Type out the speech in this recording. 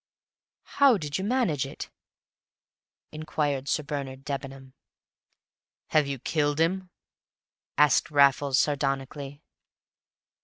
"How did you manage it?" inquired Sir Bernard Debenham. "Have you killed him?" asked Raffles sardonically.